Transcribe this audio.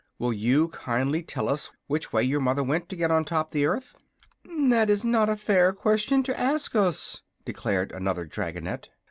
Will you kindly tell us which way your mother went to get on top the earth?" "That is not a fair question to ask us," declared another dragonette.